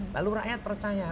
lalu rakyat percaya